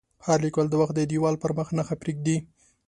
هر لیکوال د وخت د دیوال پر مخ نښه پرېږدي.